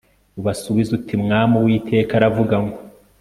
ubasubize uti umwami uwiteka aravuga ngo